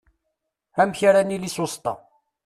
Amek ara nili susṭa?